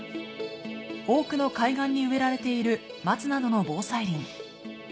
多くの海岸に植えられている松などの防災林。